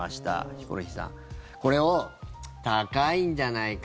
ヒコロヒーさんこれを、高いんじゃないか